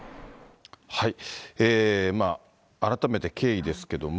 改めて経緯ですけれども。